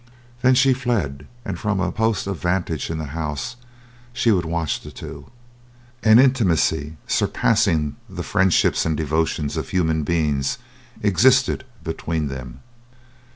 Then she fled, and from a post of vantage in the house she would watch the two. An intimacy surpassing the friendships and devotions of human beings existed between them.